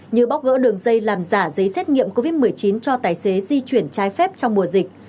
như bóc gỡ đường dây làm giả giấy xét nghiệm covid một mươi chín cho tài xế di chuyển trái phép trong mùa dịch